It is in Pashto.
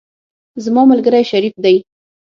زما ملګری شریف دی.